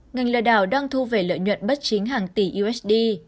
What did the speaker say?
ngành lừa đảo đang thu về lợi nhuận bất chính hàng tỷ usd